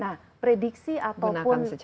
nah prediksi ataupun road map dari internet